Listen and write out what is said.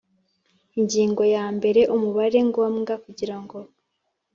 Ingingo ya mbere Umubare ngombwa kugirango